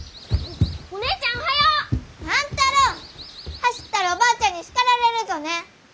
走ったらおばあちゃんに叱られるぞね！